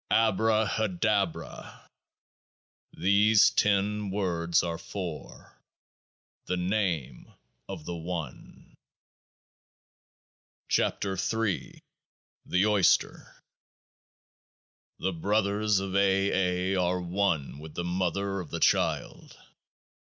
ABRAHADABRA. These ten words are four, the Name of the One. 10 KEOAAH r THE OYSTER The Brothers of A.'. A.', are one with the Mother of the Child.